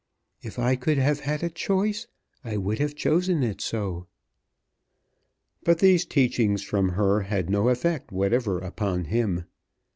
If I could have had a choice I would have chosen it so." But these teachings from her had no effect whatever upon him.